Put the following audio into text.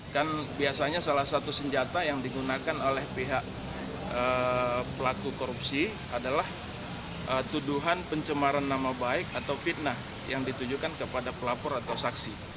kan biasanya salah satu senjata yang digunakan oleh pihak pelaku korupsi adalah tuduhan pencemaran nama baik atau fitnah yang ditujukan kepada pelapor atau saksi